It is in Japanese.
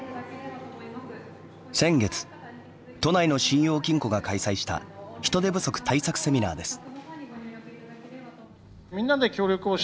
先月都内の信用金庫が開催した人手不足対策セミナーです。